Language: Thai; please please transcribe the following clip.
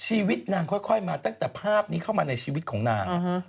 ชีวิตนางค่อยมาตั้งแต่ภาพนี้เข้ามาในชีวิตของนาง